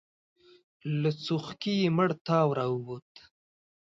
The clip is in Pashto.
له څوښکي يې مړ تاو راووت.